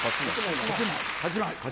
８枚８枚。